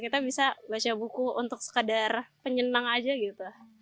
kita bisa baca buku untuk sekadar penyenang aja gitu